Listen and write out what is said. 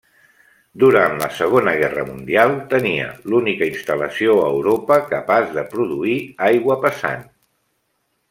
Durant la Segona Guerra Mundial tenia l'única instal·lació a Europa capaç de produir aigua pesant.